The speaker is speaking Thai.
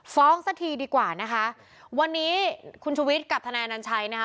สักทีดีกว่านะคะวันนี้คุณชุวิตกับทนายอนัญชัยนะคะ